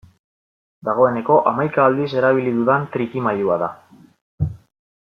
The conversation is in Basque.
Dagoeneko hamaika aldiz erabili dudan trikimailua da.